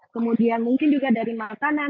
kemudian mungkin juga dari makanan